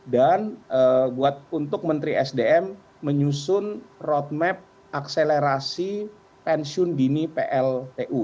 dan untuk menteri sdm menyusun roadmap akselerasi pensiun dini pltu